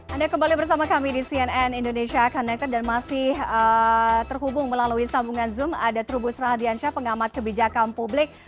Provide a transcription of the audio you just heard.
anda kembali bersama kami di cnn indonesia connected dan masih terhubung melalui sambungan zoom ada trubus radiansyah pengamat kebijakan publik